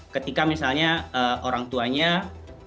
ketika misalnya orang tuanya merupakan penerima beasiswa